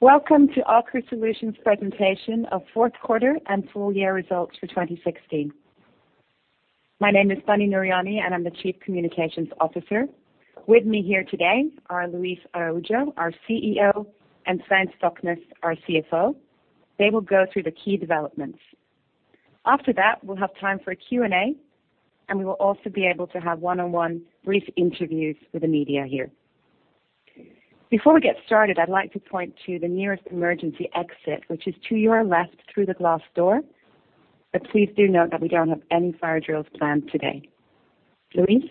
Welcome to Aker Solutions presentation of Q4 and full year results for 2016. My name is Bunny Nooryani, and I'm the Chief Communications Officer. With me here today are Luis Araujo, our CEO, and Svein Stoknes, our CFO. They will go through the key developments. After that, we'll have time for Q&A. We will also be able to have one-on-one brief interviews with the media here. Before we get started, I'd like to point to the nearest emergency exit, which is to your left through the glass door. Please do note that we don't have any fire drills planned today. Luis.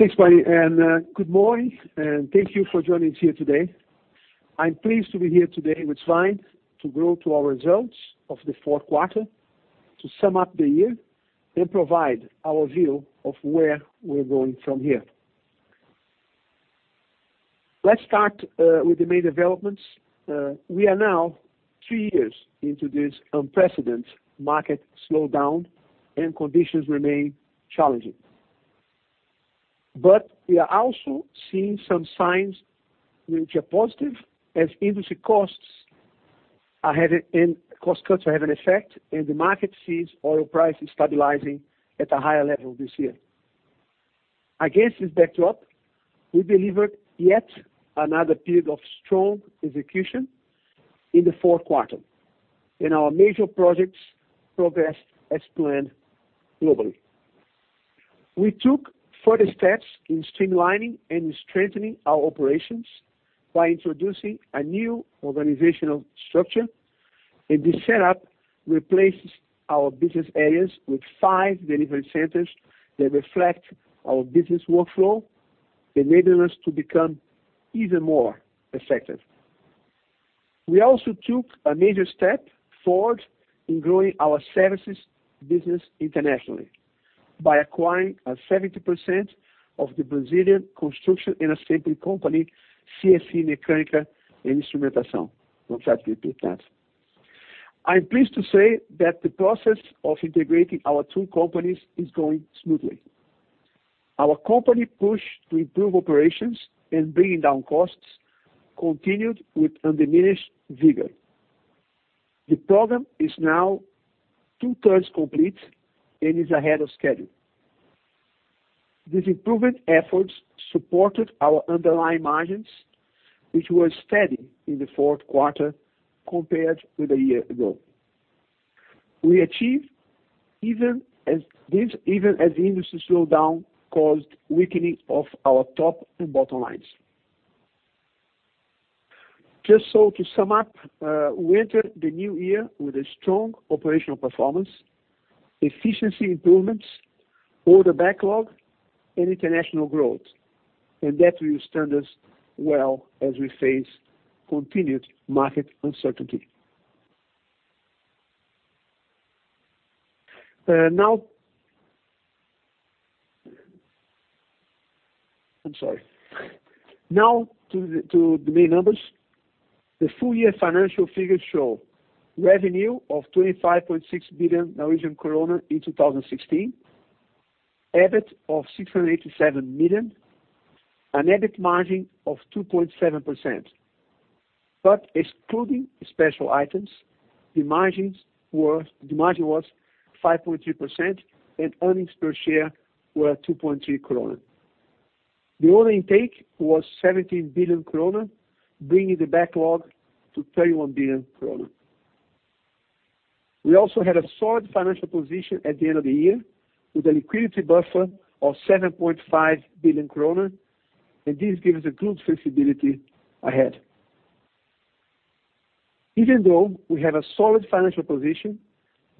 Thanks, Bunny. Good morning, and thank you for joining us here today. I'm pleased to be here today with Svein to go through our results of the Q4, to sum up the year, and provide our view of where we're going from here. Let's start with the main developments. We are now two years into this unprecedented market slowdown, and conditions remain challenging. We are also seeing some signs which are positive as cost cuts are having an effect, and the market sees oil prices stabilizing at a higher level this year. Against this backdrop, we delivered yet another period of strong execution in the Q4, and our major projects progressed as planned globally. We took further steps in streamlining and strengthening our operations by introducing a new organizational structure. This setup replaces our business areas with five delivery centers that reflect our business workflow, enabling us to become even more effective. We also took a major step forward in growing our services business internationally by acquiring a 70% of the Brazilian construction and assembly company, CSE Mechanical and Instrumentation. Don't have to repeat that. I'm pleased to say that the process of integrating our two companies is going smoothly. Our company push to improve operations and bringing down costs continued with undiminished vigor. The program is now two-thirds complete and is ahead of schedule. These improvement efforts supported our underlying margins, which were steady in the Q4 compared with a year ago. We achieved even as the industry slowdown caused weakening of our top and bottom lines. To sum up, we enter the new year with a strong operational performance, efficiency improvements, order backlog, and international growth, and that will stand us well as we face continued market uncertainty. Now to the main numbers. The full-year financial figures show revenue of 25.6 billion in 2016, EBITDA of 687 million, an EBITDA margin of 2.7%. Excluding special items, the margin was 5.2%, and earnings per share were 2.2 krone. The order intake was 17 billion krone, bringing the backlog to 31 billion krone. We also had a solid financial position at the end of the year with a liquidity buffer of 7.5 billion kroner, and this gives us a good flexibility ahead. Even though we have a solid financial position,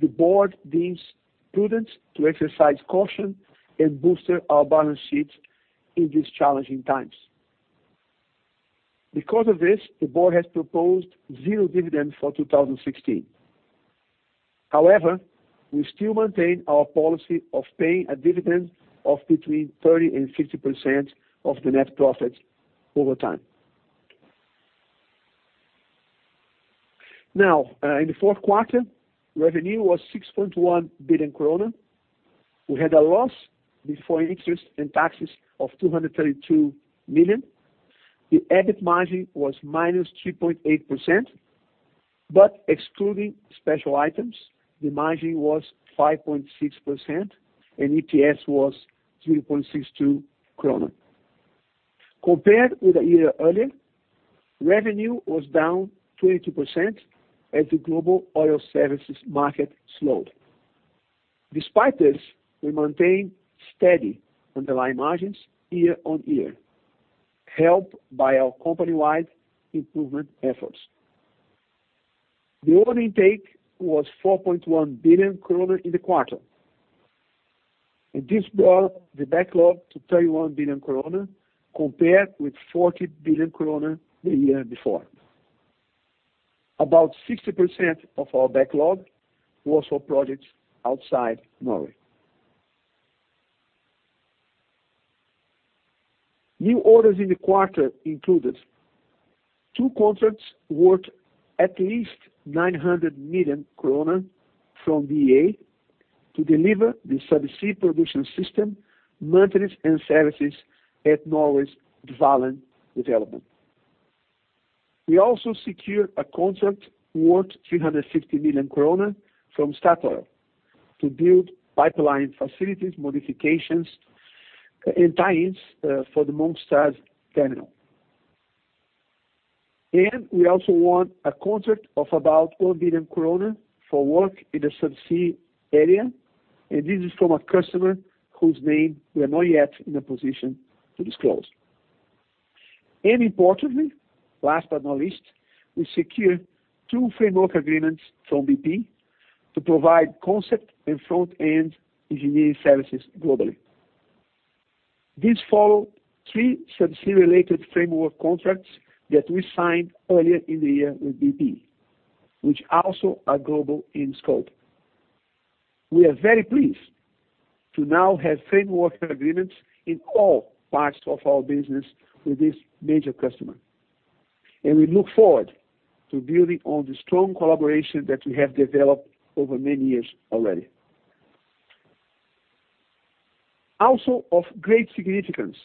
the board deems prudent to exercise caution and boost our balance sheet in these challenging times. The board has proposed 0 dividend for 2016. We still maintain our policy of paying a dividend of between 30% and 50% of the net profit over time. In the Q4, revenue was 6.1 billion krone. We had a loss before interest and taxes of 232 million. The EBITDA margin was -3.8%, but excluding special items, the margin was 5.6%, and EPS was 3.62 kroner. Compared with a year earlier, revenue was down 22% as the global oil services market slowed. We maintained steady underlying margins year-on-year, helped by our company-wide improvement efforts. The order intake was 4.1 billion kroner in the quarter. This brought the backlog to 31 billion kroner compared with 40 billion kroner the year before. About 60% of our backlog was for projects outside Norway. New orders in the quarter included two contracts worth at least 900 million kroner from BA to deliver the subsea production system, maintenance and services at Norway's Vale development. We also secured a contract worth 350 million krone from Statoil to build pipeline facilities, modifications, and tie-ins for the Mongstad terminal. We also won a contract of about 1 billion kroner for work in the subsea area, and this is from a customer whose name we are not yet in a position to disclose. Importantly, last but not least, we secured two framework agreements from BP to provide concept and front-end engineering services globally. This follow three subsea-related framework contracts that we signed earlier in the year with BP, which also are global in scope. We are very pleased to now have framework agreements in all parts of our business with this major customer, and we look forward to building on the strong collaboration that we have developed over many years already. Also of great significance,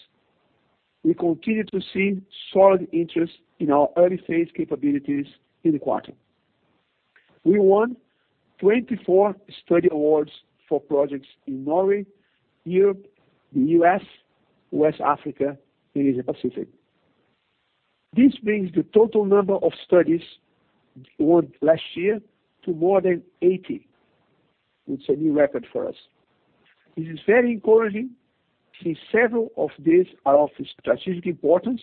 we continue to see solid interest in our early-phase capabilities in the quarter. We won 24 study awards for projects in Norway, Europe, the U.S., West Africa, and Asia Pacific. This brings the total number of studies won last year to more than 80, which is a new record for us. This is very encouraging, since several of these are of strategic importance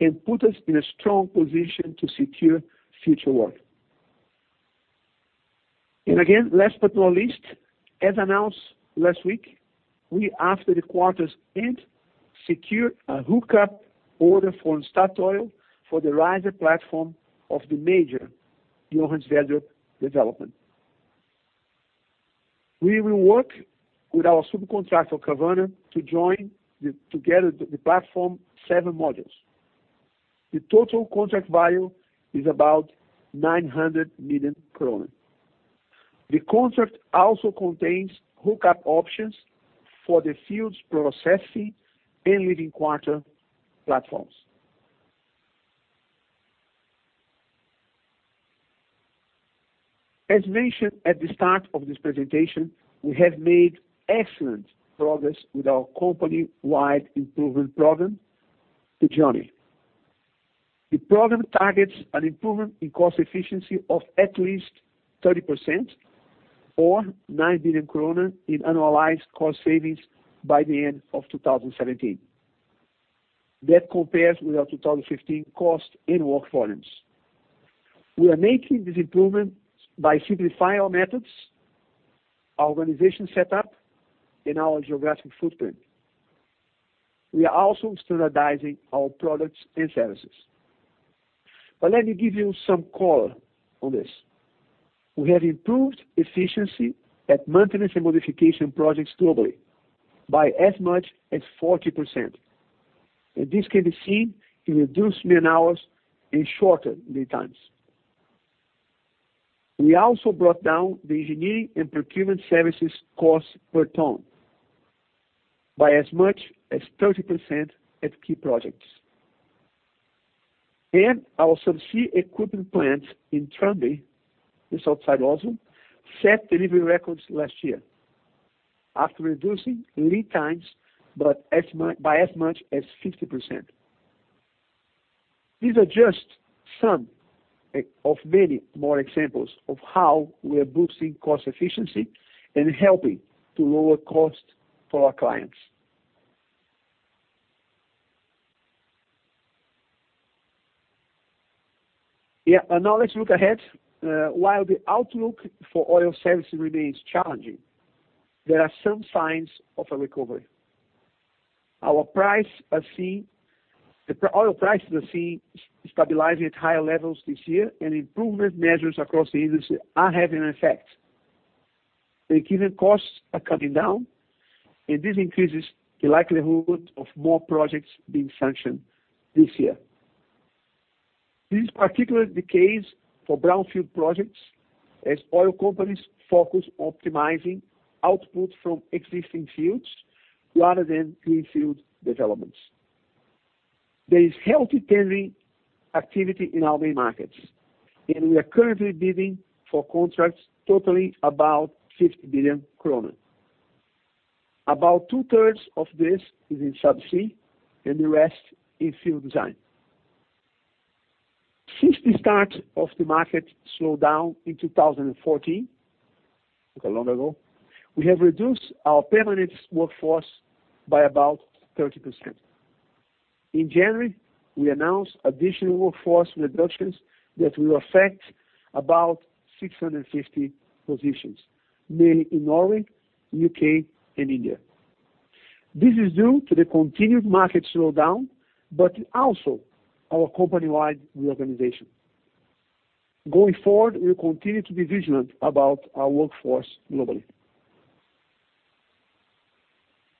and put us in a strong position to secure future work. Again, last but not least, as announced last week, we, after the quarter's end, secured a hookup order from Statoil for the riser platform of the major Johan Sverdrup development. We will work with our subcontractor, Kvaerner, to join together the platform seven modules. The total contract value is about 900 million krone. The contract also contains hookup options for the field's processing and living quarter platforms. As mentioned at the start of this presentation, we have made excellent progress with our company-wide improvement program, The Journey. The program targets an improvement in cost efficiency of at least 30% or 9 billion kroner in annualized cost savings by the end of 2017. That compares with our 2015 cost and work volumes. We are making this improvement by simplifying our methods, our organization set up, and our geographic footprint. We are also standardizing our products and services. Let me give you some color on this. We have improved efficiency at maintenance and modification projects globally by as much as 40%, and this can be seen in reduced man-hours and shorter lead times. We also brought down the engineering and procurement services cost per ton by as much as 30% at key projects. Our subsea equipment plant in Tranby, it's outside Oslo, set delivery records last year after reducing lead times by as much as 50%. These are just some of many more examples of how we are boosting cost efficiency and helping to lower cost for our clients. Yeah. Now let's look ahead. While the outlook for oil services remains challenging, there are some signs of a recovery. The oil price at sea is stabilizing at higher levels this year, and improvement measures across the industry are having an effect. The given costs are coming down and this increases the likelihood of more projects being sanctioned this year. This is particularly the case for brownfield projects, as oil companies focus on optimizing output from existing fields rather than greenfield developments. There is healthy tendering activity in our main markets, and we are currently bidding for contracts totaling about 50 billion kroner. About two-thirds of this is in subsea and the rest in field design. Since the start of the market slowdown in 2014, not that long ago, we have reduced our permanent workforce by about 30%. In January, we announced additional workforce reductions that will affect about 650 positions, mainly in Norway, U.K., and India. This is due to the continued market slowdown, also our company-wide reorganization. Going forward, we will continue to be vigilant about our workforce globally.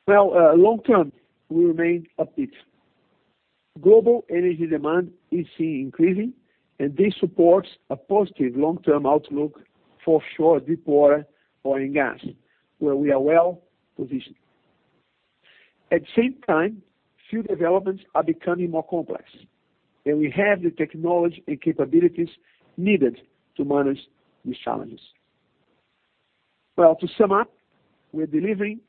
Well, long term, we remain upbeat. Global energy demand is seen increasing, This supports a positive long term outlook for sure deep water oil and gas, where we are well-positioned. At the same time, few developments are becoming more complex, We have the technology and capabilities needed to manage these challenges. Well, to sum up, we are delivering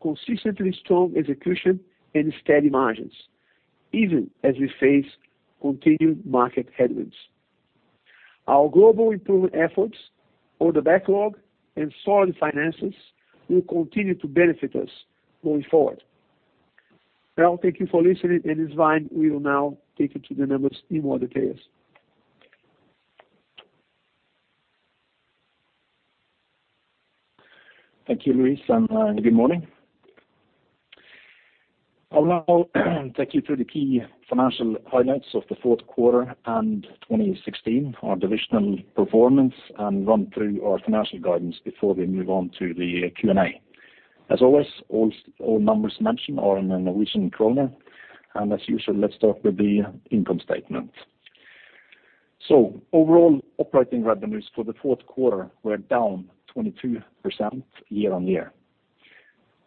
consistently strong execution and steady margins, even as we face continued market headwinds. Our global improvement efforts on the backlog and solid finances will continue to benefit us going forward. Well, thank you for listening, and Svein, we will now take you through the numbers in more details. Thank you, Luis, and good morning. I'll now take you through the key financial highlights of the Q4 and 2016, our divisional performance, and run through our financial guidance before we move on to the Q&A. As always, all numbers mentioned are in the Norwegian krone, and as usual, let's start with the income statement. Overall operating revenues for the Q4 were down 22% year-on-year.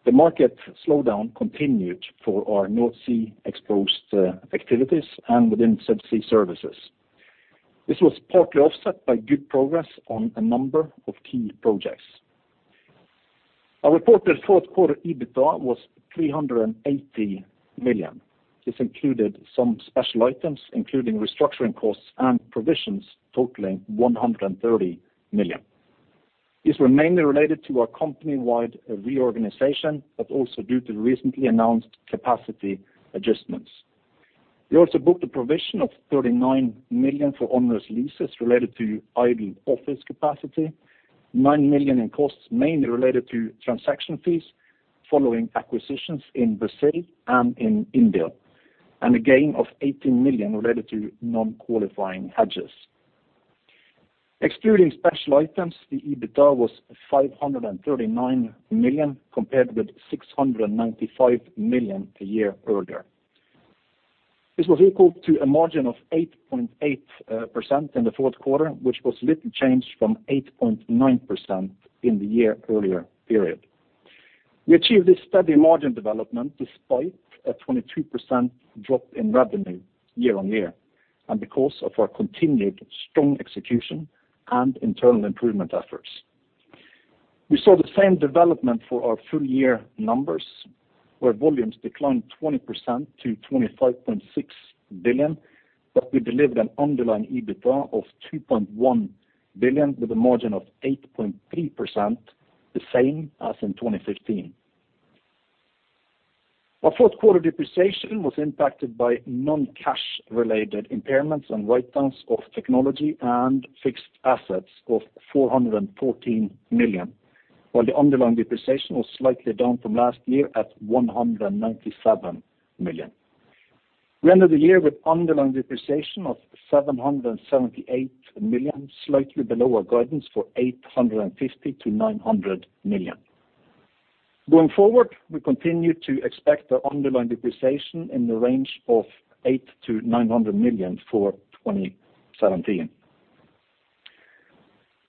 The market slowdown continued for our North Sea exposed activities and within subsea services. This was partly offset by good progress on a number of key projects. Our reported Q4 EBITDA was 380 million. This included some special items, including restructuring costs and provisions totaling 130 million. These were mainly related to our company-wide reorganization, but also due to the recently announced capacity adjustments. We also booked a provision of 39 million for onerous leases related to idle office capacity, 9 million in costs mainly related to transaction fees following acquisitions in Brazil and in India, and a gain of 18 million related to non-qualifying hedges. Excluding special items, the EBITDA was 539 million, compared with 695 million a year earlier. This was equal to a margin of 8.8% in the Q4, which was little change from 8.9% in the year earlier period. We achieved this steady margin development despite a 22% drop in revenue year-on-year, and because of our continued strong execution and internal improvement efforts. We saw the same development for our full year numbers, where volumes declined 20% to 25.6 billion, but we delivered an underlying EBITDA of 2.1 billion with a margin of 8.3%, the same as in 2015. Our Q4 depreciation was impacted by non-cash related impairments and write-downs of technology and fixed assets of 414 million, while the underlying depreciation was slightly down from last year at 197 million. We ended the year with underlying depreciation of 778 million, slightly below our guidance for 850 million-900 million. Going forward, we continue to expect our underlying depreciation in the range of 800 million-900 million for 2017.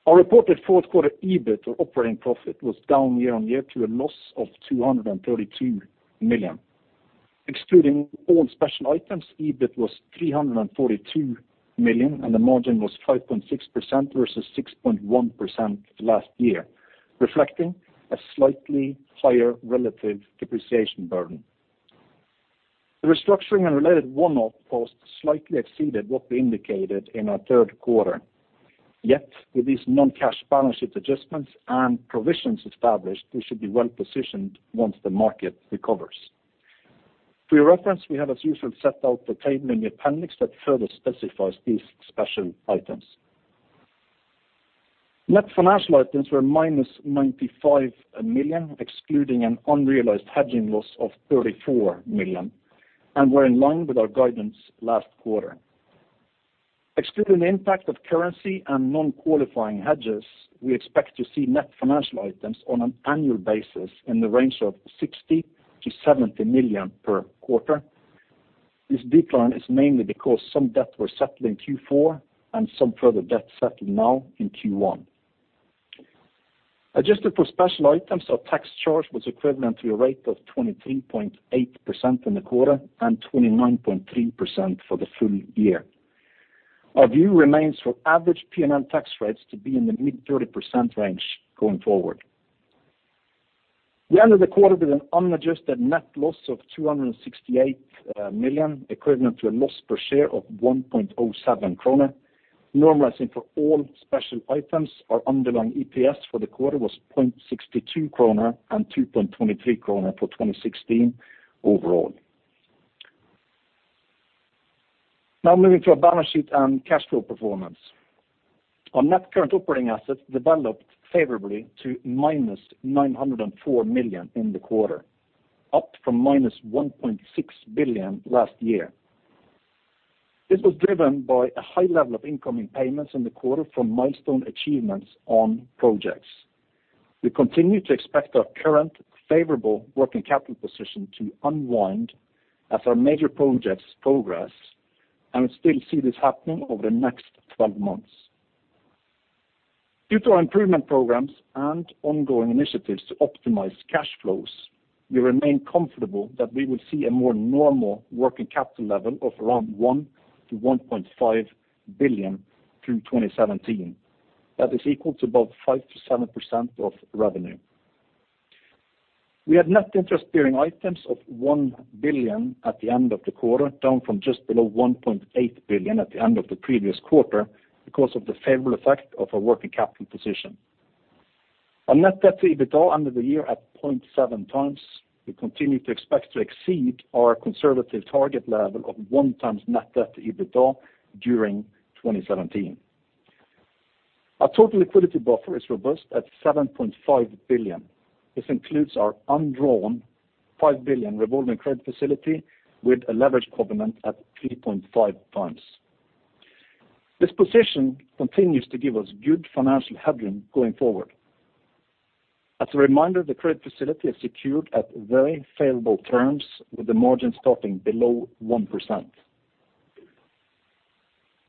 Our reported Q4 EBITDA or operating profit was down year-on-year to a loss of 232 million. Excluding all special items, EBITDA was 342 million, and the margin was 5.6% versus 6.1% last year, reflecting a slightly higher relative depreciation burden. The restructuring and related one-off costs slightly exceeded what we indicated in our Q3. Yet, with these non-cash balance sheet adjustments and provisions established, we should be well-positioned once the market recovers. For your reference, we have as usual set out the table in the appendix that further specifies these special items. Net financial items were minus 95 million, excluding an unrealized hedging loss of 34 million, and were in line with our guidance last quarter. Excluding the impact of currency and non-qualifying hedges, we expect to see net financial items on an annual basis in the range of 60 million-70 million per quarter. This decline is mainly because some debt were settled in Q4 and some further debt settled now in Q1. Adjusted for special items, our tax charge was equivalent to a rate of 23.8% in the quarter and 29.3% for the full year. Our view remains for average P&L tax rates to be in the mid-30% range going forward. We ended the quarter with an unadjusted net loss of 268 million, equivalent to a loss per share of 1.07 krone. Normalizing for all special items, our underlying EPS for the quarter was 0.62 kroner and 2.23 kroner for 2016 overall. Moving to our balance sheet and cash flow performance. Net current operating assets developed favorably to minus 904 million in the quarter, up from minus 1.6 billion last year. This was driven by a high level of incoming payments in the quarter from milestone achievements on projects. We continue to expect our current favorable working capital position to unwind as our major projects progress, and still see this happening over the next 12 months. Due to our improvement programs and ongoing initiatives to optimize cash flows, we remain comfortable that we will see a more normal working capital level of around 1 billion-1.5 billion through 2017. That is equal to about 5%-7% of revenue. We had net interest bearing items of 1 billion at the end of the quarter, down from just below 1.8 billion at the end of the previous quarter because of the favorable effect of our working capital position. On net debt to EBITDA under the year at 0.7 times, we continue to expect to exceed our conservative target level of one times net debt to EBITDA during 2017. Our total liquidity buffer is robust at 7.5 billion. This includes our undrawn 5 billion revolving credit facility with a leverage covenant at 3.5 times. This position continues to give us good financial headroom going forward. As a reminder, the credit facility is secured at very favorable terms, with the margin starting below 1%.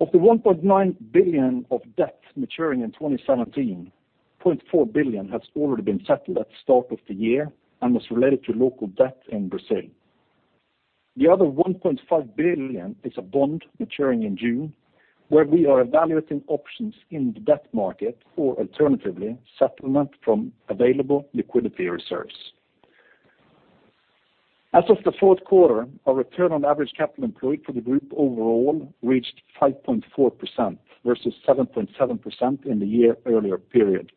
Of the 1.9 billion of debt maturing in 2017, 0.4 billion has already been settled at the start of the year and was related to local debt in Brazil. The other 1.5 billion is a bond maturing in June, where we are evaluating options in the debt market or alternatively settlement from available liquidity reserves. As of the Q4, our Return on Average Capital Employed for the group overall reached 5.4% versus 7.7% in the year-earlier period.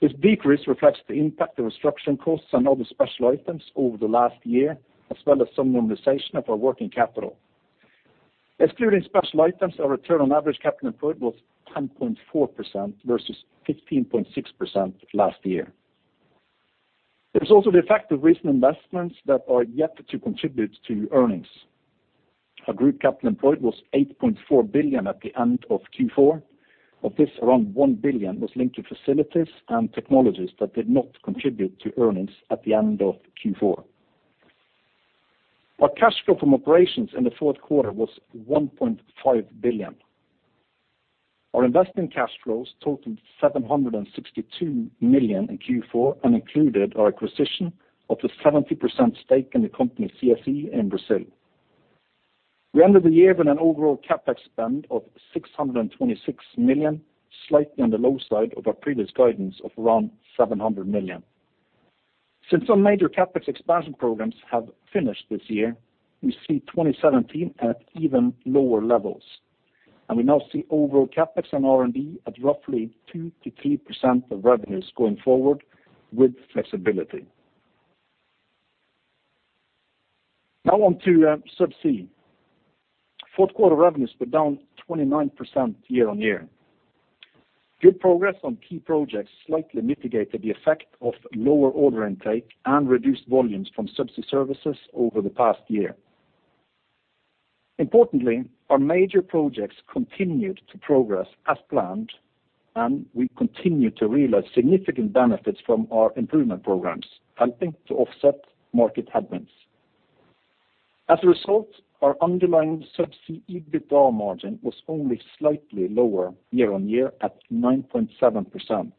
This decrease reflects the impact of restructuring costs and other special items over the last year, as well as some normalization of our working capital. Excluding special items, our Return on Average Capital Employed was 10.4% versus 15.6% last year. There's also the effect of recent investments that are yet to contribute to earnings. Our group capital employed was 8.4 billion at the end of Q4. Of this, around 1 billion was linked to facilities and technologies that did not contribute to earnings at the end of Q4. Our cash flow from operations in the Q4 was 1.5 billion. Our investing cash flows totaled 762 million in Q4 and included our acquisition of the 70% stake in the company C.S.E. in Brazil. We ended the year with an overall Capex spend of 626 million, slightly on the low side of our previous guidance of around 700 million. Since our major Capex expansion programs have finished this year, we see 2017 at even lower levels, we now see overall Capex and R&D at roughly 2%-3% of revenues going forward with flexibility. Now on to Subsea. Q4 revenues were down 29% year-over-year. Good progress on key projects slightly mitigated the effect of lower order intake and reduced volumes from Subsea services over the past year. Importantly, our major projects continued to progress as planned, we continue to realize significant benefits from our improvement programs, helping to offset market headwinds. As a result, our underlying Subsea EBITDA margin was only slightly lower year-over-year at 9.7%,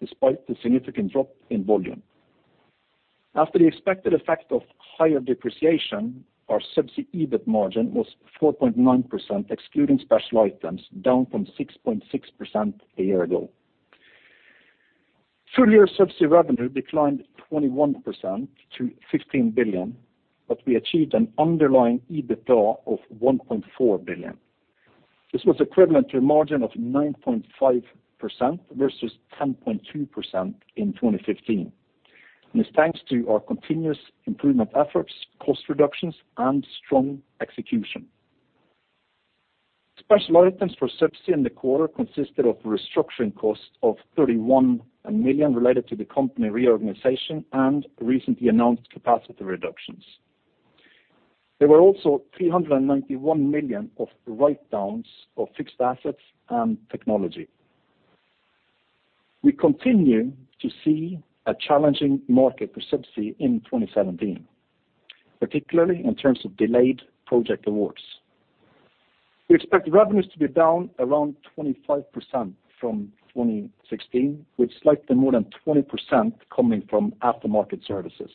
despite the significant drop in volume. After the expected effect of higher depreciation, our Subsea EBITDA margin was 4.9% excluding special items, down from 6.6% a year ago. Full year Subsea revenue declined 21% to 16 billion. We achieved an underlying EBITDA of 1.4 billion. This was equivalent to a margin of 9.5% versus 10.2% in 2015. It's thanks to our continuous improvement efforts, cost reductions, and strong execution. Special items for Subsea in the quarter consisted of restructuring costs of 31 million related to the company reorganization and recently announced capacity reductions. There were also 391 million of write-downs of fixed assets and technology. We continue to see a challenging market for Subsea in 2017, particularly in terms of delayed project awards. We expect revenues to be down around 25% from 2016, with slightly more than 20% coming from aftermarket services.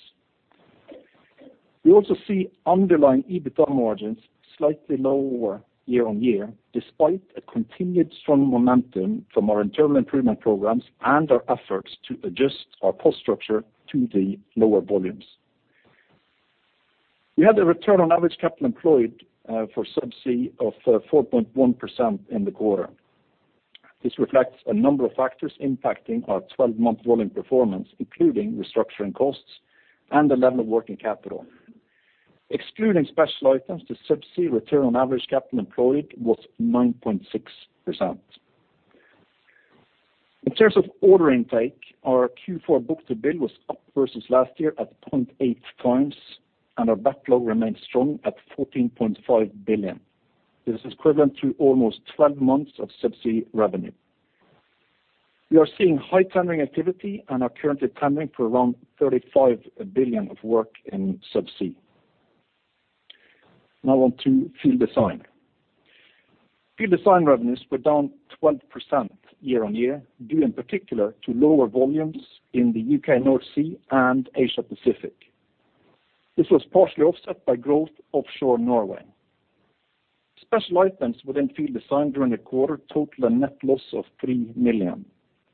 We also see underlying EBITDA margins slightly lower year-on-year, despite a continued strong momentum from our internal improvement programs and our efforts to adjust our cost structure to the lower volumes. We had a Return on Average Capital Employed for Subsea of 4.1% in the quarter. This reflects a number of factors impacting our 12-month volume performance, including restructuring costs and the level of working capital. Excluding special items to Subsea Return on Average Capital Employed was 9.6%. In terms of order intake, our Q4 book-to-bill was up versus last year at 0.8 times, and our backlog remains strong at 14.5 billion. This is equivalent to almost 12 months of Subsea revenue. We are seeing high tendering activity and are currently tendering for around 35 billion of work in subsea. On to field design. Field design revenues were down 12% year-on-year, due in particular to lower volumes in the U.K., North Sea, and Asia-Pacific. This was partially offset by growth offshore Norway. Special items within field design during the quarter totaled a net loss of 3 million.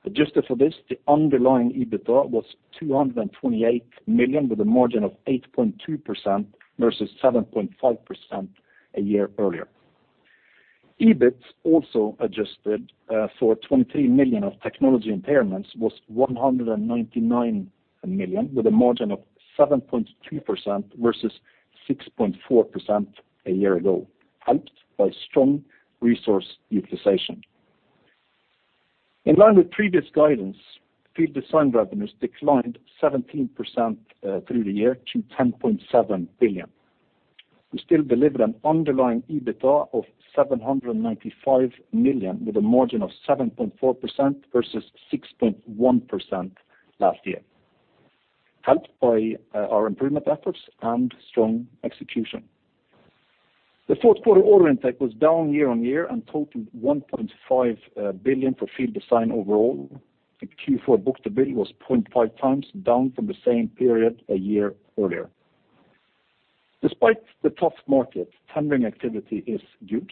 Adjusted for this, the underlying EBITDA was 228 million, with a margin of 8.2% versus 7.5% a year earlier. EBITDA, also adjusted for 20 million of technology impairments, was 199 million, with a margin of 7.2% versus 6.4% a year ago, helped by strong resource utilization. In line with previous guidance, field design revenues declined 17% through the year to 10.7 billion. We still delivered an underlying EBITDA of 795 million, with a margin of 7.4% versus 6.1% last year, helped by our improvement efforts and strong execution. The Q4 order intake was down year-on-year and totaled 1.5 billion for field design overall, and Q4 book-to-bill was 0.5 times, down from the same period a year earlier. Despite the tough market, tendering activity is good,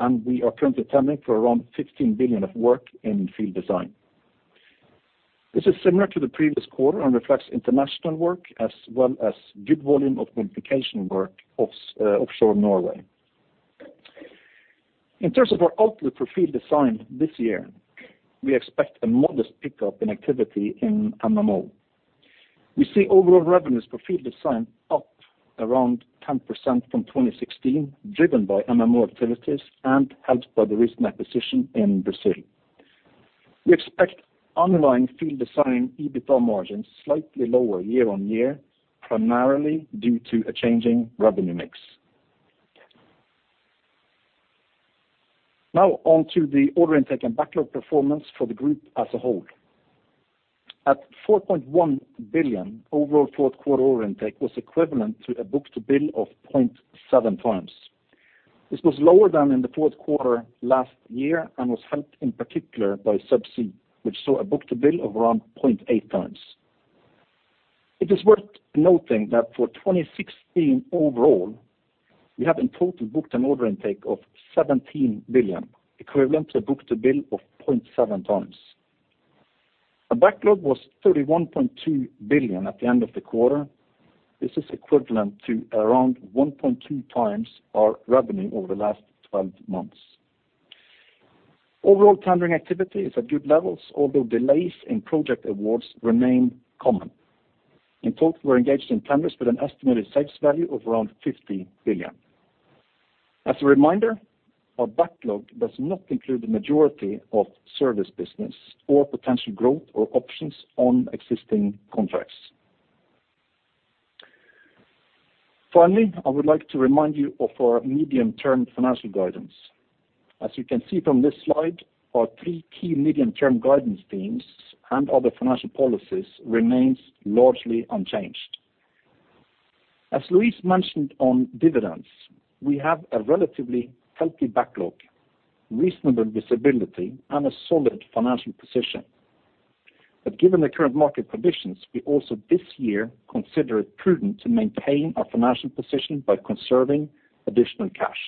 and we are currently tendering for around 15 billion of work in field design. This is similar to the previous quarter and reflects international work as well as good volume of modification work offshore Norway. In terms of our outlook for field design this year, we expect a modest pickup in activity in MMO. We see overall revenues for field design up around 10% from 2016, driven by MMO activities and helped by the recent acquisition in Brazil. We expect underlying field design EBITDA margins slightly lower year-on-year, primarily due to a changing revenue mix. On to the order intake and backlog performance for the group as a whole. At 4.1 billion, overall Q4 order intake was equivalent to a book-to-bill of 0.7x. This was lower than in the Q4 last year and was helped in particular by subsea, which saw a book-to-bill of around 0.8x. It is worth noting that for 2016 overall, we have in total booked an order intake of 17 billion, equivalent to a book-to-bill of 0.7x. Our backlog was 31.2 billion at the end of the quarter. This is equivalent to around 1.2 times our revenue over the last 12 months. Overall tendering activity is at good levels, although delays in project awards remain common. In total, we're engaged in tenders with an estimated sales value of around 50 billion. As a reminder, our backlog does not include the majority of service business or potential growth or options on existing contracts. Finally, I would like to remind you of our medium-term financial guidance. As you can see from this slide, our three key medium-term guidance themes and other financial policies remains largely unchanged. As Luis mentioned on dividends, we have a relatively healthy backlog, reasonable visibility, and a solid financial position. Given the current market conditions, we also this year consider it prudent to maintain our financial position by conserving additional cash.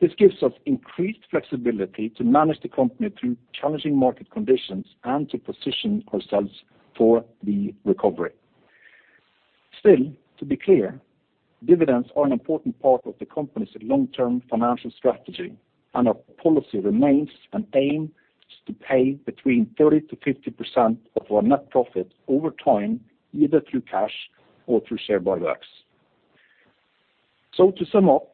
This gives us increased flexibility to manage the company through challenging market conditions and to position ourselves for the recovery. Still, to be clear, dividends are an important part of the company's long-term financial strategy, and our policy remains and aims to pay between 30%-50% of our net profit over time, either through cash or through share buybacks. To sum up,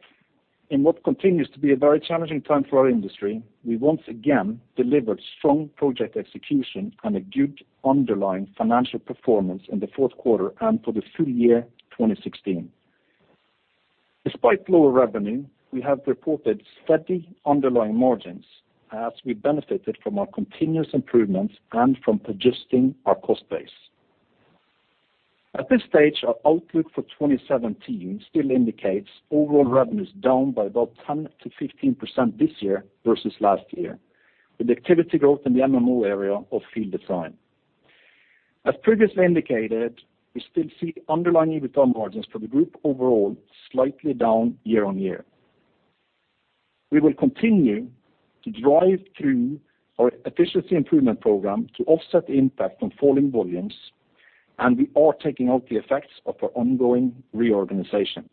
in what continues to be a very challenging time for our industry, we once again delivered strong project execution and a good underlying financial performance in the Q4 and for the full year 2016. Despite lower revenue, we have reported steady underlying margins as we benefited from our continuous improvements and from adjusting our cost base. At this stage, our outlook for 2017 still indicates overall revenues down by about 10%-15% this year versus last year, with activity growth in the MMO area of field design. As previously indicated, we still see underlying EBITDA margins for the group overall slightly down year-on-year. We will continue to drive through our efficiency improvement program to offset the impact from falling volumes. We are taking out the effects of our ongoing reorganization.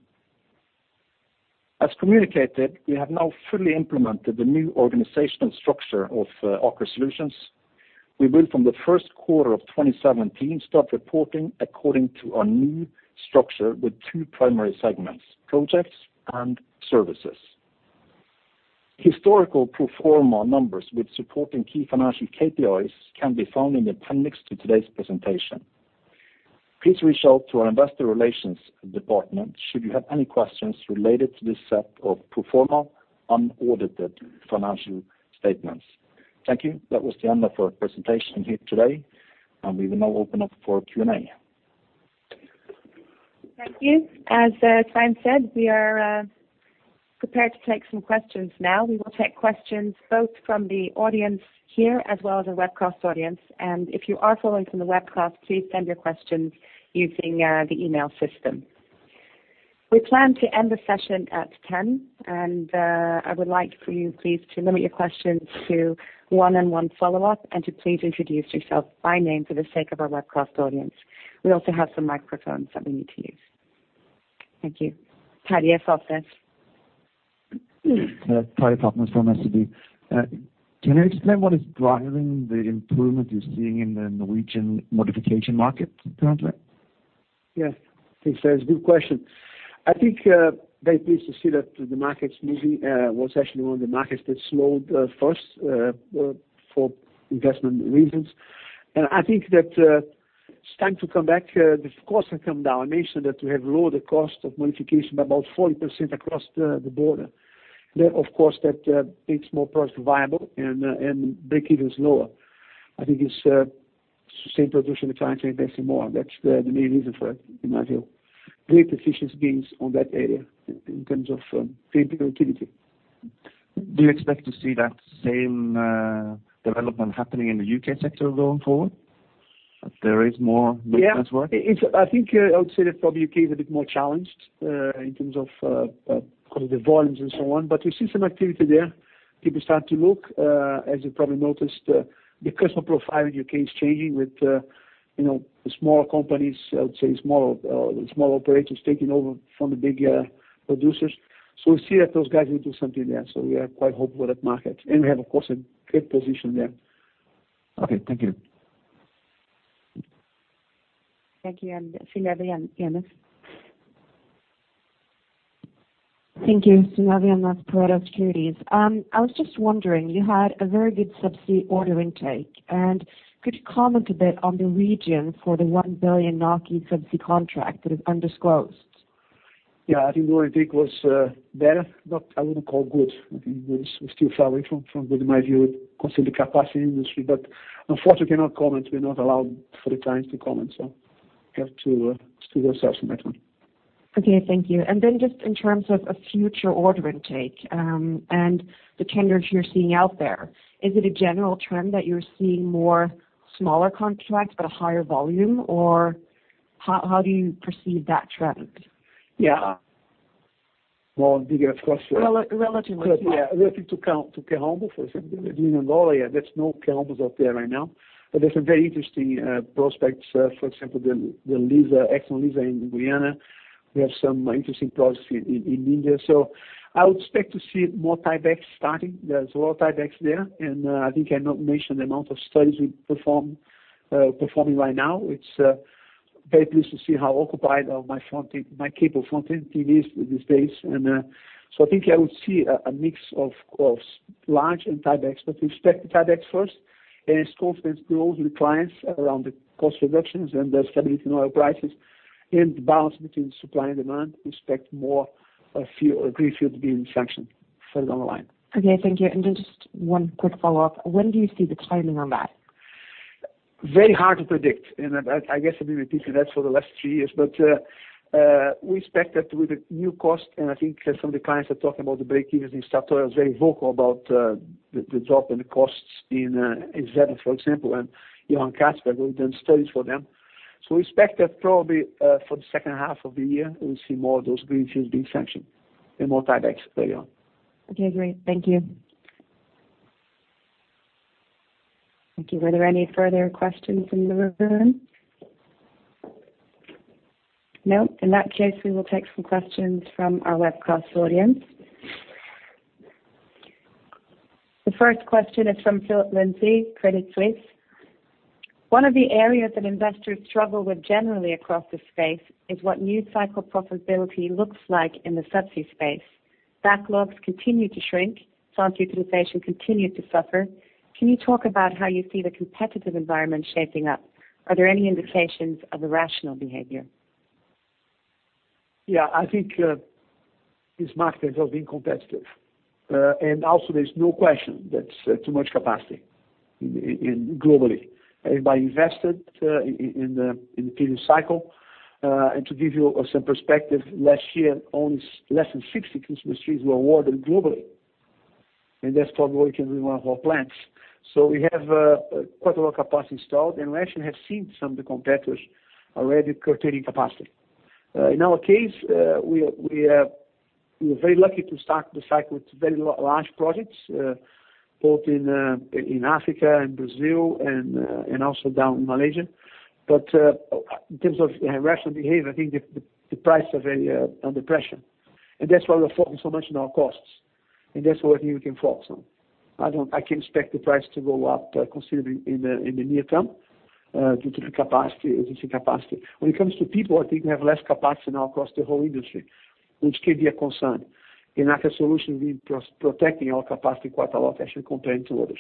As communicated, we have now fully implemented the new organizational structure of Aker Solutions. We will from the Q1 of 2017 start reporting according to our new structure with two primary segments, projects and services. Historical pro forma numbers with supporting key financial KPIs can be found in the appendix to today's presentation. Please reach out to our investor relations department should you have any questions related to this set of pro forma unaudited financial statements. Thank you. That was the end of our presentation here today, and we will now open up for Q&A. Thank you. As Trine said, we are prepared to take some questions now. We will take questions both from the audience here as well as our webcast audience. If you are following from the webcast, please send your questions using the email system. We plan to end the session at 10, I would like for you please to limit your questions to one and one follow-up, and to please introduce yourself by name for the sake of our webcast audience. We also have some microphones that we need to use. Thank you. Tage Fanebust. Tage Fanebust from SEB. Can you explain what is driving the improvement you're seeing in the Norwegian modification market currently? Yes. Thanks, Tage. It's a good question. I think very pleased to see that the market's moving, was actually one of the markets that slowed first for investment reasons. I think that it's time to come back. The costs have come down. I mentioned that we have lowered the cost of modification by about 40% across the border. There, of course, that makes more projects viable and break-evens lower. I think it's same position with clients investing more. That's the main reason for it in my view. Great efficiency gains on that area in terms of productivity. Do you expect to see that same development happening in the UK sector going forward? There is more maintenance. Yeah. I think I would say that probably UK is a bit more challenged in terms of because of the volumes and so on. We see some activity there. People start to look as you probably noticed the customer profile in UK is changing with, you know, the smaller companies, I would say smaller operators taking over from the big producers. We see that those guys will do something there, so we are quite hopeful at market. We have, of course, a great position there. Okay. Thank you. Thank you. Silje-Marie R. Johansen. Thank you. Silje-Marie R. Johansen, Arctic Securities. I was just wondering, you had a very good subsea order intake, could you comment a bit on the region for the 1 billion subsea contract that is undisclosed? Yeah. I think the order intake was better, not I wouldn't call good. I think we're still far away from good in my view, considering the capacity in industry. Unfortunately cannot comment. We're not allowed for the time to comment, we have to steer yourself from that one. Okay. Thank you. Just in terms of a future order intake, and the tenders you're seeing out there, is it a general trend that you're seeing more smaller contracts but higher volume, or how do you perceive that trend? Yeah. Well, bigger of course- relatively small. Yeah. Relative to count to Kaombo, for example, in Angola, there's no Kaombos out there right now. There's some very interesting prospects, for example, the Liza, ExxonMobil Liza in Guyana. We have some interesting projects in India. I would expect to see more tiebacks starting. There's a lot of tiebacks there, I think I not mentioned the amount of studies we performing right now. It's very pleased to see how occupied my capable front team is these days. I think I would see a mix of large and tiebacks. We expect the tiebacks first, and as confidence grows with clients around the cost reductions and the stability in oil prices and the balance between supply and demand, we expect more few greenfield to be in function further down the line. Okay. Thank you. Just one quick follow-up. When do you see the timing on that? Very hard to predict, and I guess I've been repeating that for the last three years. We expect that with the new cost, and I think some of the clients are talking about the break-evens, and Statoil is very vocal about the drop in the costs in Zappa, for example, and Johan Castberg, we've done studies for them. We expect that probably for the second half of the year, we'll see more of those greenfields being sanctioned and more tiebacks early on. Okay. Great. Thank you. Thank you. Were there any further questions in the room? No. In that case, we will take some questions from our webcast audience. The first question is from Philip Lambert, Credit Suisse. One of the areas that investors struggle with generally across the space is what new cycle profitability looks like in the subsea space. Backlogs continue to shrink, plant utilization continue to suffer. Can you talk about how you see the competitive environment shaping up? Are there any indications of irrational behavior? Yeah. I think this market has all been competitive. Also there's no question that's too much capacity in globally. Everybody invested in the previous cycle. To give you some perspective, last year, only less than 60 customer streams were awarded globally, and that's probably can run four plants. We have quite a lot of capacity installed, and we actually have seen some of the competitors already curtailing capacity. In our case, we're very lucky to start the cycle with very large projects, Both in Africa and Brazil and also down in Malaysia. In terms of rational behavior, I think the price of under pressure, and that's why we're focusing so much on our costs, and that's what I think we can focus on. I can't expect the price to go up, considering in the near term, due to the capacity, existing capacity. When it comes to people, I think we have less capacity now across the whole industry, which can be a concern. In Aker Solutions, we're protecting our capacity quite a lot, actually, compared to others.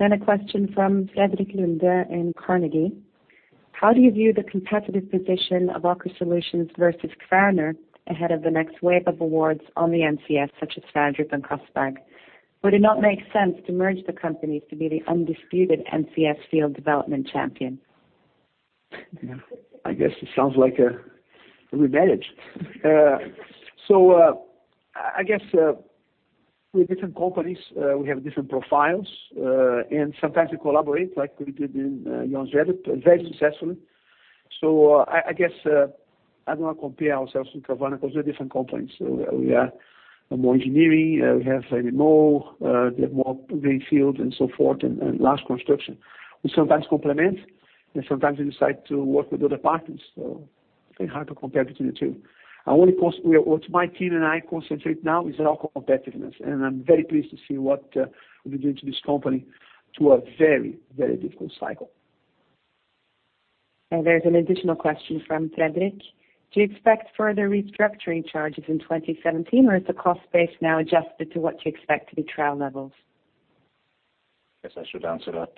A question from Frederik Lunde in Carnegie. How do you view the competitive position of Aker Solutions versus Kvaerner ahead of the next wave of awards on the NCS, such as Johan Sverdrup and Grosbeak? Would it not make sense to merge the companies to be the undisputed NCS field development champion? I guess it sounds like a remarriage. I guess we're different companies. We have different profiles, and sometimes we collaborate like we did in Johan Sverdrup, very successfully. I guess I don't wanna compare ourselves to Kvaerner because we're different companies. We are more engineering, we have maybe more, they have more greenfield and so forth and large construction. We sometimes complement, and sometimes we decide to work with other partners, so it's very hard to compare between the two. Our only What my team and I concentrate now is on our competitiveness, and I'm very pleased to see what we've been doing to this company through a very, very difficult cycle. There's an additional question from Frederik. Do you expect further restructuring charges in 2017, or is the cost base now adjusted to what you expect to be trough levels? Yes, I should answer that.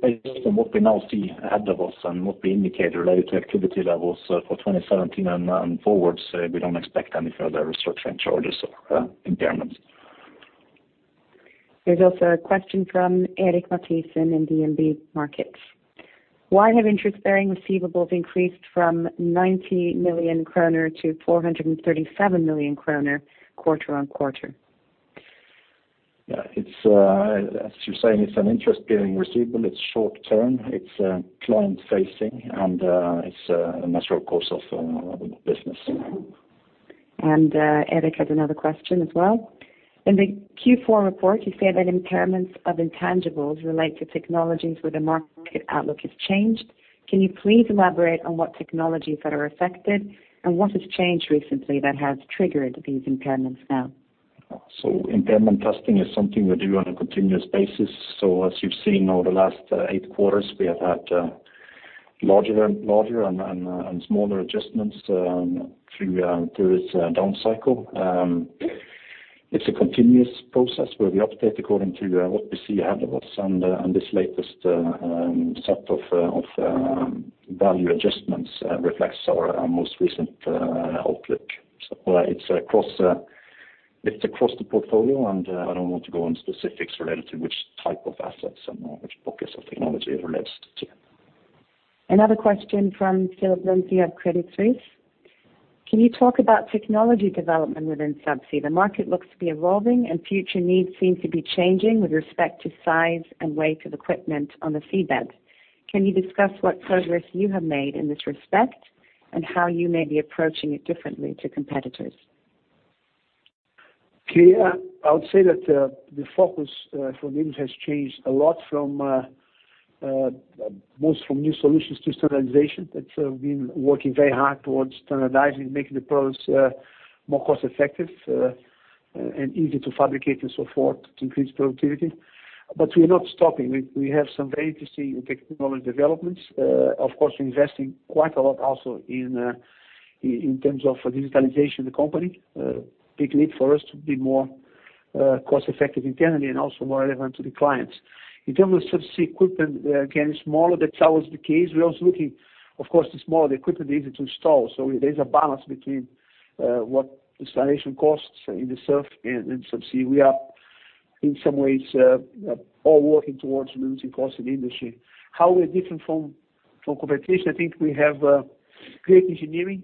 Based on what we now see ahead of us and what we indicate related to activity levels for 2017 and forwards, we don't expect any further restructuring charges or impairments. There's also a question from Eirik Mathiesen in DNB Markets. Why have interest-bearing receivables increased from 90 million kroner to 437 million kroner quarter-on-quarter? Yeah. It's, as you're saying, it's an interest-bearing receivable. It's short term. It's client facing, and it's a natural course of business. Eirik has another question as well. In the Q4 report, you say that impairments of intangibles relate to technologies where the market outlook has changed. Can you please elaborate on what technologies that are affected, and what has changed recently that has triggered these impairments now? Impairment testing is something we do on a continuous basis. As you've seen over the last Q8, we have had larger and smaller adjustments through this downcycle. It's a continuous process where we update according to what we see ahead of us, and this latest set of value adjustments reflects our most recent outlook. It's across the portfolio, and I don't want to go on specifics related to which type of assets and which pockets of technology it relates to. Another question from Philip Lambert of Credit Suisse. Can you talk about technology development within subsea? The market looks to be evolving, and future needs seem to be changing with respect to size and weight of equipment on the seabed. Can you discuss what progress you have made in this respect and how you may be approaching it differently to competitors? Okay. I would say that the focus for news has changed a lot from most from new solutions to standardization. That's been working very hard towards standardizing, making the products more cost effective and easy to fabricate and so forth to increase productivity. We're not stopping. We have some very interesting technology developments. Of course, we're investing quite a lot also in terms of digitalization of the company. Big leap for us to be more cost effective internally and also more relevant to the clients. In terms of subsea equipment, again, smaller that's always the case. We're also looking, of course, the smaller the equipment, the easier to install. There's a balance between what installation costs in the SURF and in subsea. We are, in some ways, all working towards reducing costs in the industry. How we're different from competition, I think we have great engineering,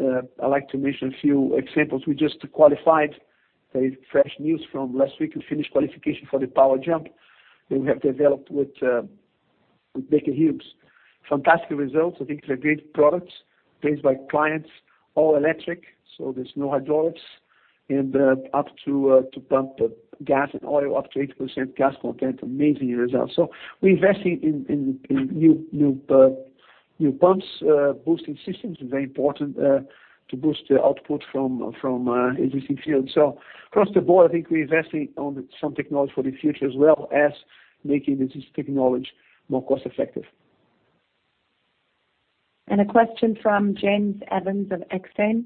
I'd like to mention a few examples. We just qualified very fresh news from last week. We finished qualification for the Power Jump that we have developed with Baker Hughes. Fantastic results. I think it's a great product praised by clients, all electric, so there's no hydraulics. Up to pump gas and oil up to 80% gas content. Amazing results. We're investing in new pumps, boosting systems. Very important, to boost the output from existing fields. Across the board, I think we're investing on some technology for the future as well as making this technology more cost effective. A question from James Evans of Exane.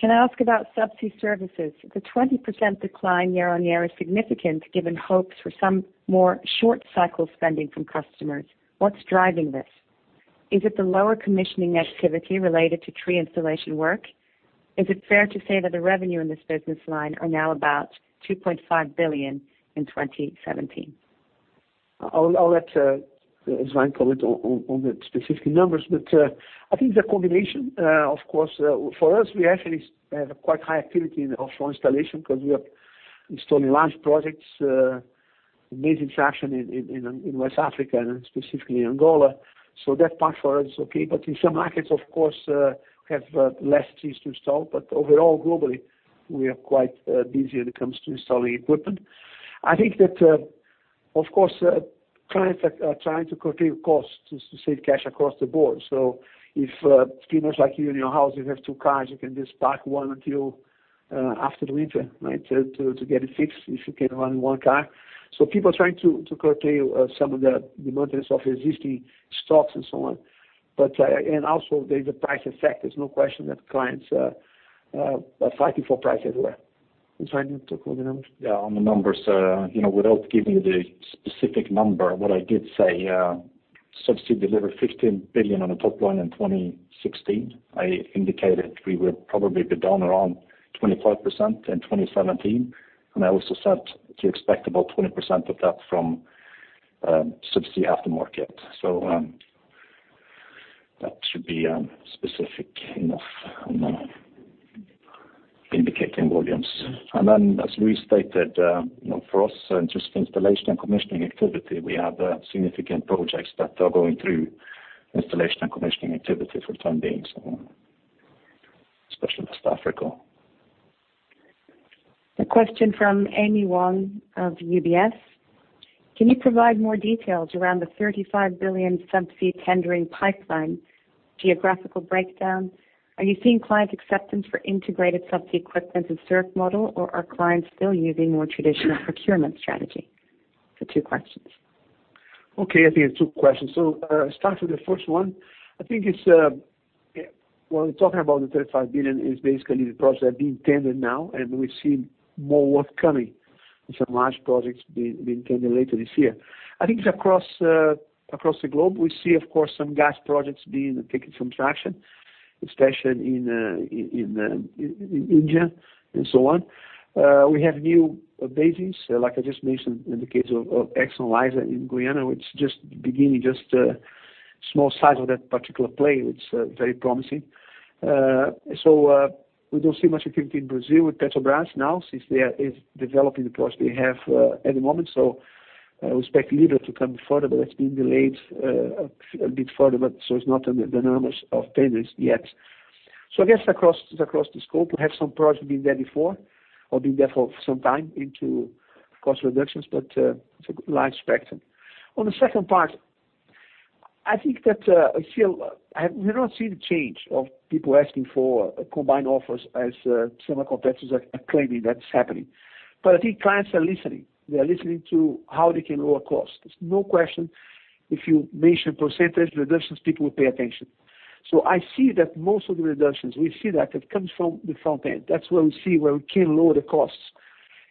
Can I ask about subsea services? The 20% decline year-over-year is significant given hopes for some more short cycle spending from customers. What's driving this? Is it the lower commissioning activity related to tree installation work? Is it fair to say that the revenue in this business line are now about 2.5 billion in 2017? I'll let Svein comment on the specific numbers, but I think it's a combination. Of course, for us, we actually have a quite high activity in the offshore installation because we are installing large projects. Amazing traction in West Africa and specifically Angola. That part for us is okay. In some markets, of course, we have less things to install, but overall, globally, we are quite busy when it comes to installing equipment. I think that, of course, clients are trying to curtail costs to save cash across the board. If, it's pretty much like you in your house, you have two cars, you can just park one until after the winter, right, to get it fixed if you can run one car. People are trying to curtail some of the maintenance of existing stocks and so on. Also there's a price effect. There's no question that clients are fighting for price everywhere. Finally talk about the numbers. Yeah, on the numbers, you know, without giving you the specific number, what I did say, Subsea delivered 15 billion on the top line in 2016. I indicated we will probably be down around 25% in 2017. I also said to expect about 20% of that from Subsea aftermarket. That should be specific enough on indicating volumes. Then as we stated, you know, for us in terms of installation and commissioning activity, we have significant projects that are going through installation and commissioning activity for the time being, so especially West Africa. A question from Amy Wong of UBS. Can you provide more details around the 35 billion Subsea tendering pipeline geographical breakdown? Are you seeing client acceptance for integrated Subsea equipment and service model, or are clients still using more traditional procurement strategy? two questions. Okay, I think it's two questions. Start with the first one. When we're talking about the 35 billion, it's basically the projects that are being tendered now, and we're seeing more work coming in some large projects being tendered later this year. Across the globe. We see, of course, some gas projects taking some traction, especially in India and so on. We have new basins, like I just mentioned, in the case of ExxonMobil Liza in Guyana, which just beginning, just a small size of that particular play. It's very promising. We don't see much activity in Brazil with Petrobras now since they are developing the projects they have at the moment. I expect Leda to come further, but it's been delayed a bit further, but it's not on the numbers of tenders yet. I guess across the scope, we have some projects been there before or been there for some time into cost reductions, but it's a large spectrum. On the second part, I think that, I feel we've not seen a change of people asking for combined offers as some of our competitors are claiming that's happening. I think clients are listening. They are listening to how they can lower costs. There's no question if you mention percentage reductions, people will pay attention. I see that most of the reductions, we see that it comes from the front end. That's where we see where we can lower the costs.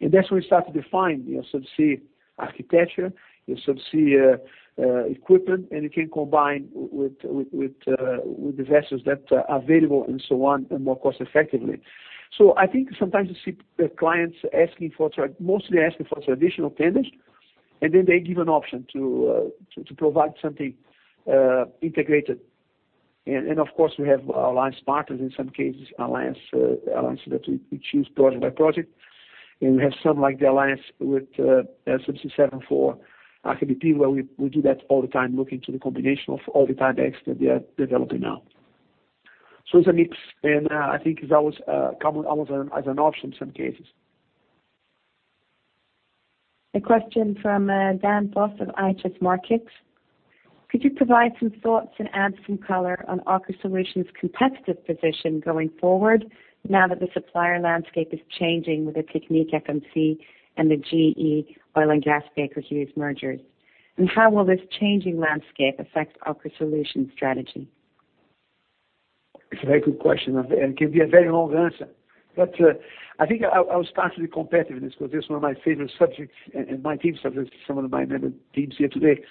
That's where we start to define, you know, Subsea architecture, the Subsea equipment, and it can combine with the vessels that are available and so on and more cost effectively. I think sometimes you see clients mostly asking for traditional tenders, and then they give an option to provide something integrated. Of course, we have our alliance partners, in some cases, alliance that we choose project by project. We have some like the alliance with Subsea seven for HBP, where we do that all the time, looking to the combination of all the tiebacks that they are developing now. It's a mix, and I think it always come as an option in some cases. A question from David Vos of IHS Markit. Could you provide some thoughts and add some color on Aker Solutions' competitive position going forward now that the supplier landscape is changing with the TechnipFMC and the GE Oil & Gas Baker Hughes mergers? How will this changing landscape affect Aker Solutions' strategy? It's a very good question. It can be a very long answer. I think I'll start with the competitiveness because this is one of my favorite subjects and my team subjects, some of my member teams here today.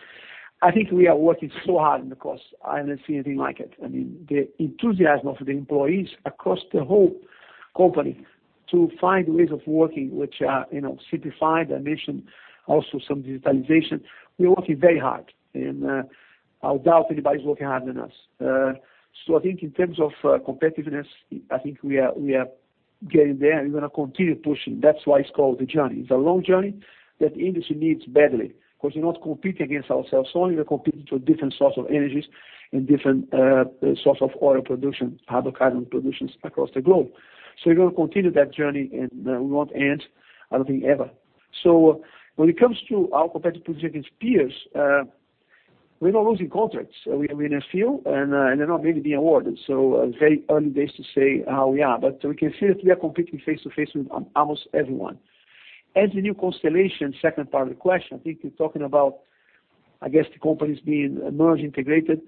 I think we are working so hard in the costs. I haven't seen anything like it. I mean, the enthusiasm of the employees across the whole company to find ways of working, which are, you know, simplified, I mentioned also some digitalization. We're working very hard. I doubt anybody's working harder than us. I think in terms of competitiveness, I think we are getting there, and we're gonna continue pushing. That's why it's called The Journey. It's a long journey that the industry needs badly because we're not competing against ourselves only, we're competing with different source of energies and different source of oil production, hydrocarbon productions across the globe. We're gonna continue that journey, and we won't end, I don't think, ever. When it comes to our competitive position against peers, we're not losing contracts. We're in a few, and they're not really being awarded. A very early days to say how we are, but we can see that we are competing face to face with almost everyone. As the new constellation, second part of the question, I think you're talking about, I guess, the companies being merged, integrated,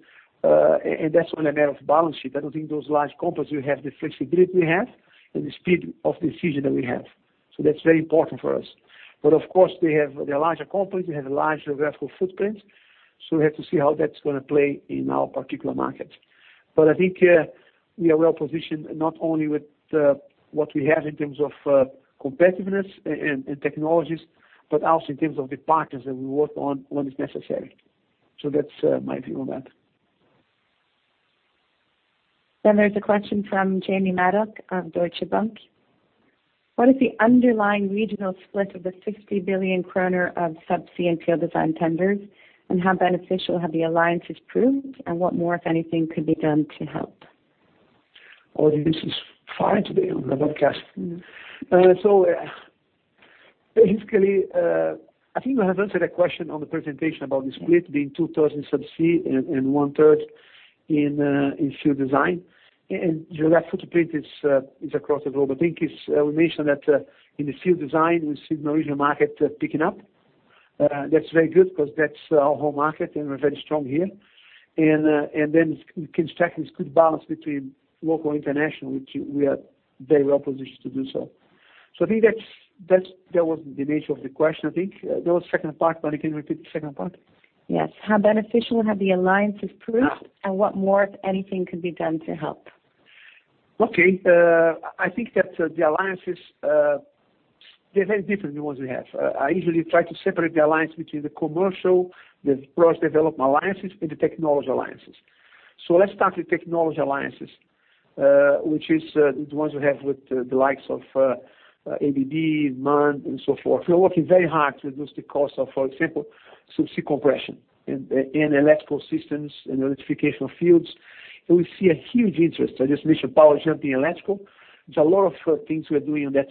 and that's only a matter of balance sheet. I don't think those large companies will have the flexibility we have and the speed of decision that we have. That's very important for us. Of course, they have their larger companies, they have a large geographical footprint, so we have to see how that's gonna play in our particular market. I think we are well positioned not only with what we have in terms of competitiveness and technologies, but also in terms of the partners that we work on when it's necessary. That's my view on that. There's a question from Jamie Maddock of Deutsche Bank. What is the underlying regional split of the 60 billion kroner of subsea and field design tenders, and how beneficial have the alliances proved, and what more, if anything, could be done to help? Oh, this is fine today on the webcast. Basically, I think I have answered that question on the presentation about the split being two-thirds subsea and one-third in field design. Geographical footprint is across the globe. I think we mentioned that in the field design, we see Norwegian market picking up. That's very good 'cause that's our home market, and we're very strong here. Construction is good balance between local international, which we are very well positioned to do so. I think that was the nature of the question, I think. There was second part, but can you repeat the second part? Yes. How beneficial have the alliances proved, and what more, if anything, could be done to help? Okay. I think that the alliances, they're very different, the ones we have. I usually try to separate the alliance between the commercial, the cross-development alliances, and the technology alliances. Let's start with technology alliances, which is the ones we have with the likes of ABB, MAN, and so forth. We are working very hard to reduce the cost of, for example, subsea compression and electrical systems and electrification of fields. We see a huge interest. I just mentioned Power Jump in electrical. There's a lot of things we are doing on that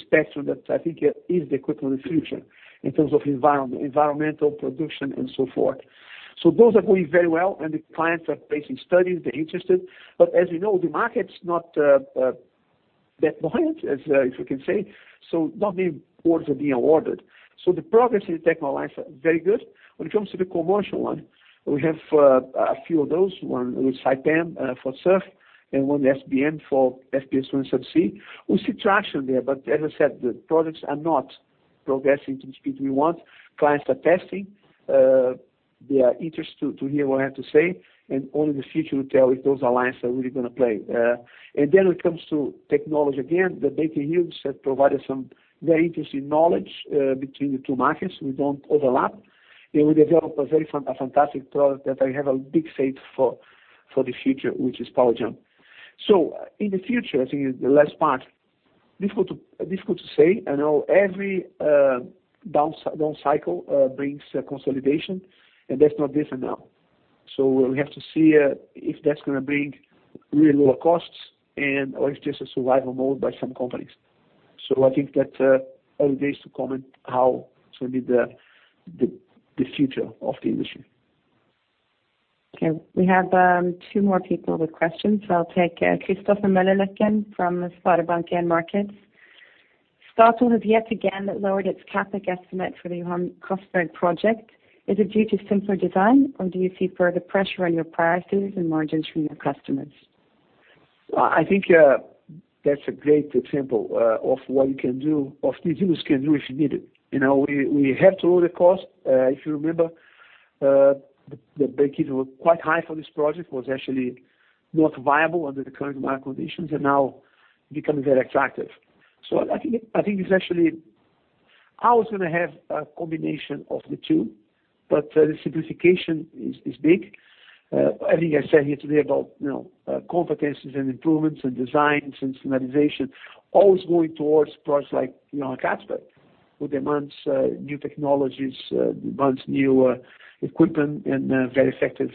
spectrum that I think is the equipment of the future in terms of environmental production and so forth. Those are going very well, and the clients are placing studies. They're interested. As you know, the market's not that buoyant, as if you can say, so not the orders are being awarded. The progress in the technology alliance are very good. When it comes to the commercial one, we have a few of those, one with Saipem for SURF, and one with SBM for FPSO subsea. We see traction there, but as I said, the projects are not progressing to the speed we want. Clients are testing, they are interested to hear what I have to say, and only the future will tell if those alliances are really gonna play. When it comes to technology, again, the Baker Hughes have provided some very interesting knowledge between the two markets. We don't overlap. We develop a very fantastic product that I have a big faith for the future, which is Power Jump. In the future, I think the last part, difficult to say. I know every down cycle brings a consolidation, that's not different now. We have to see if that's gonna bring really lower costs and or if just a survival mode by some companies. I think that early days to comment how to be the future of the industry. Okay. We have two more people with questions. I'll take Christopher Mollerlokken from SpareBank one Markets. Statoil has yet again lowered its Capex estimate for the Johan Castberg project. Is it due to simpler design, or do you see further pressure on your priorities and margins from your customers? I think that's a great example of what you can do, of what you can do if you need it. You know, we have to lower the cost. If you remember, the Baker were quite high for this project, was actually not viable under the current market conditions, and now becoming very attractive. So I think, I think it's actually how it's going to have a combination of the two, but the simplification is big. I think I said here today about, you know, competencies and improvements and designs and standardization, always going towards projects like Johan Sverdrup, who demands new technologies, demands new equipment and very effective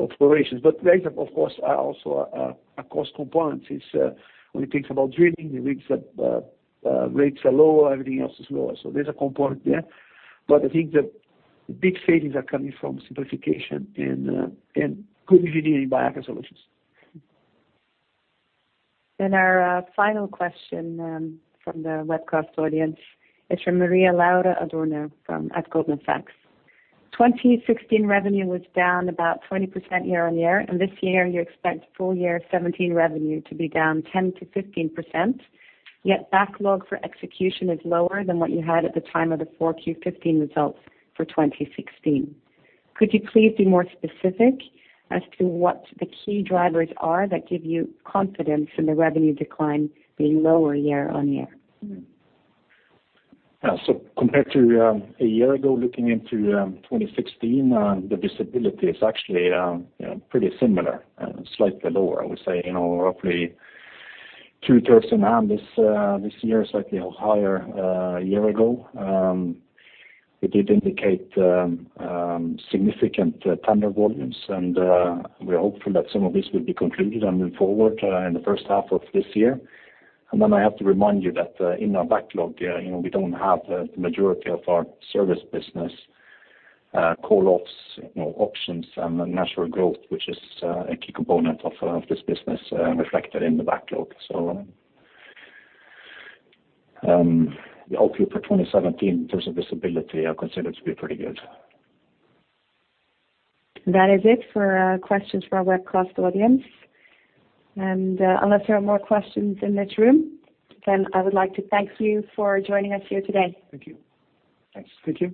operations. But there is, of course, also a cost component. It's, when you think about drilling, the rigs, rates are lower, everything else is lower. There's a component there. I think the big savings are coming from simplification and good engineering by Aker Solutions. Our final question from the webcast audience is from Maria Laura Adorno from Goldman Sachs. 2016 revenue was down about 20% year-over-year. This year you expect full year 2017 revenue to be down 10%-15%. Backlog for execution is lower than what you had at the time of the q4 Q4 sults for 2016. Could you please be more specific as to what the key drivers are that give you confidence in the revenue decline being lower year-over-year? Compared to a year ago, looking into 2016, the visibility is actually, you know, pretty similar and slightly lower. I would say, you know, roughly two-thirds in hand this year, slightly higher a year ago. We did indicate significant tender volumes, and we're hopeful that some of this will be concluded and move forward in the first half of this year. I have to remind you that in our backlog, you know, we don't have the majority of our service business call offs, you know, options and natural growth, which is a key component of this business reflected in the backlog. The outlook for 2017 in terms of visibility, I consider to be pretty good. That is it for questions from our webcast audience. Unless there are more questions in this room, I would like to thank you for joining us here today. Thank you. Thanks. Thank you.